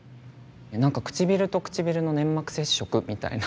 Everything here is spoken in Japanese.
なんか「唇と唇の粘膜接触」みたいな。